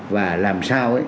và làm sao